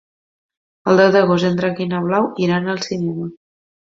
El deu d'agost en Drac i na Blau iran al cinema.